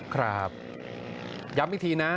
ครับย้ำอีกทีนะ